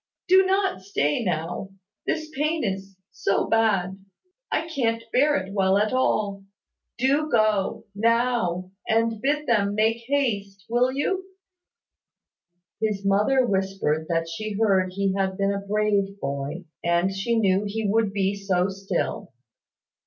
Do not stay now, this pain is so bad, I can't bear it well at all. Do go, now, and bid them make haste, will you?" His mother whispered that she heard he had been a brave boy, and she knew he would be so still.